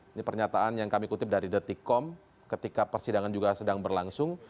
ini pernyataan yang kami kutip dari detikom ketika persidangan juga sedang berlangsung